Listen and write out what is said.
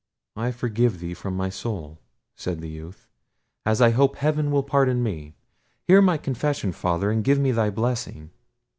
"I forgive thee from my soul," said the youth, "as I hope heaven will pardon me. Hear my confession, Father; and give me thy blessing."